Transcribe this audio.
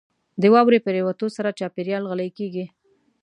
• د واورې پرېوتو سره چاپېریال غلی کېږي.